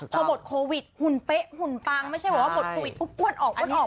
พอบทโควิดหุ่นเป๊ะหุ่นปังไม่ใช่ว่าบทโควิดอุ๊บอวดออกอุ๊บอวดออก